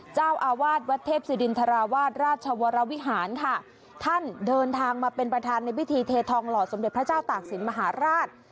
เจ้าอาวาสวัดเทพศิรินทราวาสราชวรวิหารค่ะท่านเดินทางมาเป็นประธานในพิธีเททองหล่อสมเด็จพระเจ้าตากศิลปมหาราช